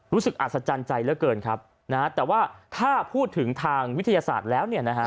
รู้สึกอัศจรรย์ใจเกินครับแต่ว่าถ้าพูดถึงทางวิทยาศาสตร์แล้ว